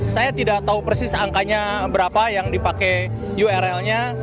saya tidak tahu persis angkanya berapa yang dipakai url nya